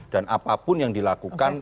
dan apapun yang dilakukan